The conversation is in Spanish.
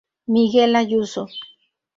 Miguel Ayuso